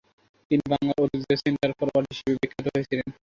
তিনি বাংলার অদ্বিতীয় সেন্টার ফরওয়ার্ড হিসাবে বিখ্যাত হয়েছিলেন।